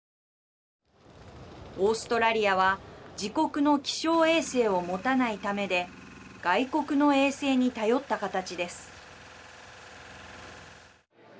オーストラリアは自国の気象衛星を持たないためで外国の衛星に頼った形です。